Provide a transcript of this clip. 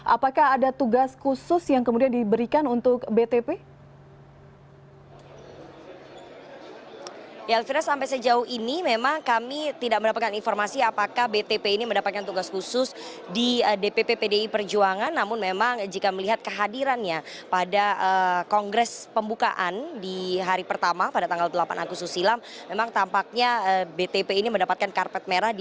apakah ada tugas khusus yang kemudian diberikan untuk btp